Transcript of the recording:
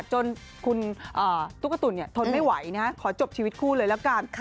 จนคุณตุ๊กตุ๋นทนไม่ไหวขอจบชีวิตคู่เลยแล้วกัน